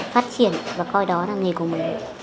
phát triển và coi đó là nghề của mình